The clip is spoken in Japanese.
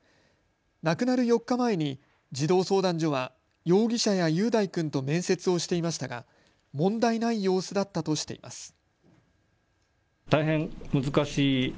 亡くなる４日前に児童相談所は容疑者や雄大君と面接をしていましたが問題ない様子だったとしています。